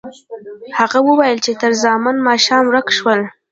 هغه وویل چې تره زامن ماښام ورک شول.